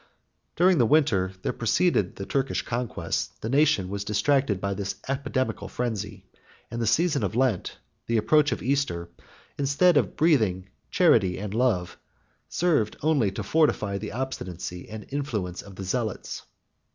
During the winter that preceded the Turkish conquest, the nation was distracted by this epidemical frenzy; and the season of Lent, the approach of Easter, instead of breathing charity and love, served only to fortify the obstinacy and influence of the zealots.